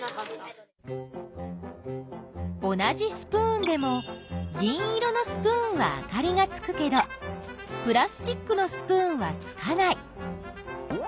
同じスプーンでも銀色のスプーンはあかりがつくけどプラスチックのスプーンはつかない。